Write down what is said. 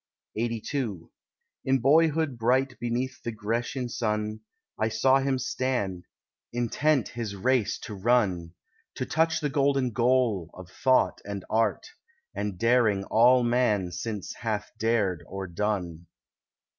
LXXXII In boyhood bright beneath the Grecian sun, I saw him stand, intent his race to run— To touch the golden goal of thought and art, And daring all man since hath dared or done.